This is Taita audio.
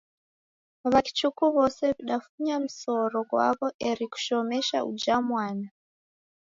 W'akichuku w'ose w'idafunya msoro ghwaw'o eri kushomesha uja mwana.